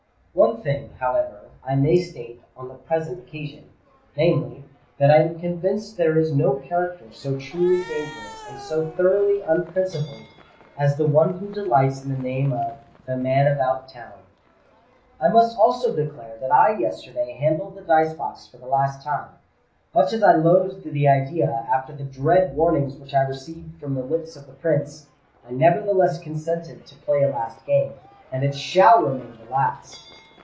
One thing, however, I may state on the present occasion: namely, that I am convinced there is no character so truly dangerous and so thoroughly unprincipled as the one who delights in the name of 'the man about town.' "I must also declare that I yesterday handled the dice box for the last time. Much as I loathed the idea, after the dread warnings which I received from the lips of the Prince, I nevertheless consented to play a last game—and it shall remain the last!